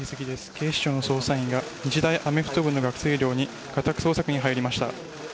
警視庁の捜査員が日大アメフト部の学生寮に家宅捜索に入りました。